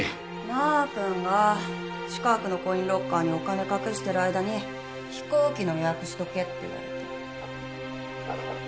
まーくんが近くのコインロッカーにお金隠してる間に飛行機の予約しとけって言われて。